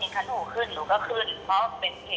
ผู้ชายคนนี้แล้วก็กลุ่มหัวลุ่นของเขาอะ